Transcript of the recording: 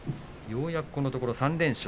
ようやくこのところ３連勝。